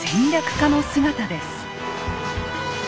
家の姿です。